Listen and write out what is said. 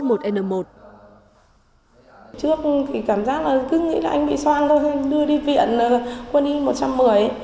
trước thì cảm giác là cứ nghĩ là anh bị soan thôi đưa đi viện quân y một trăm một mươi